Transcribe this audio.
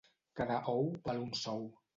Cada ou val un sou.